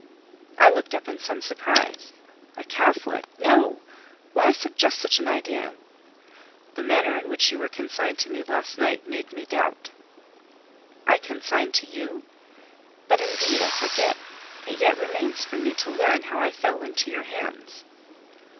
I looked up in some surprise—"A Catholic? No! Why suggest such an idea?" "The manner in which you were consigned to me last night made me doubt." "I consigned to you? But, indeed, I forget. It yet remains for me to learn how I fell into your hands."